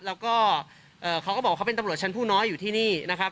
แล้วก็เขาก็บอกว่าเขาเป็นตำรวจชั้นผู้น้อยอยู่ที่นี่นะครับ